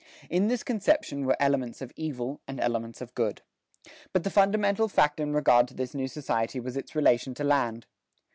In this conception were elements of evil and elements of good. But the fundamental fact in regard to this new society was its relation to land.